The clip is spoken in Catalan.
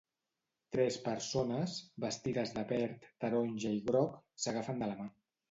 Tres persones, vestides de verd, taronja i groc, s'agafen de la mà.